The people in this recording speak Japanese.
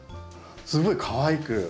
すごいかわいく。